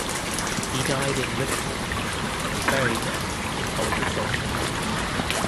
He died in Richmond and is buried there in Hollywood Cemetery.